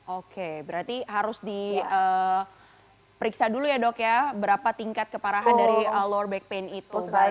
oke berarti harus diperiksa dulu ya dok ya berapa tingkat keparahan dari lower backpain itu